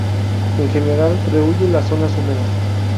En general rehúye las zonas húmedas.